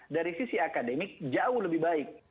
dari sisi akademik jauh lebih baik